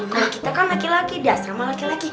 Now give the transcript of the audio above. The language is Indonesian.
kalau kita kan laki laki dia serama laki laki